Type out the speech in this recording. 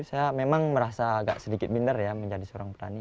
saya memang merasa agak sedikit minder ya menjadi seorang petani